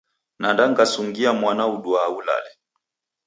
Nanda ngasungia mwana uduaa ulale.